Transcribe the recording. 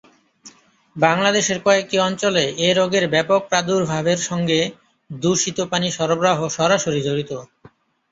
বাংলাদেশের কয়েকটি অঞ্চলে এ রোগের ব্যাপক প্রাদুর্ভাবের সঙ্গে দূষিত পানি সরবরাহ সরাসরি জড়িত।